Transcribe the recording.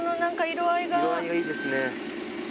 色合いがいいですね。